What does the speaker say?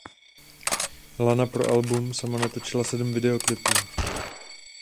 Lana pro album sama natočila sedm videoklipů.